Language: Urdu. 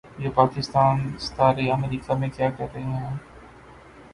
یہ پاکستانی ستارے امریکا میں کیا کررہے ہیں